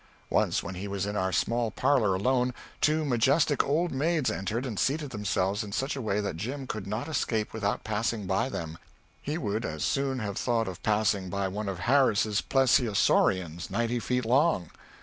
Once when he was in our small parlor alone, two majestic old maids entered and seated themselves in such a way that Jim could not escape without passing by them. He would as soon have thought of passing by one of Harris's plesiosaurians ninety feet long.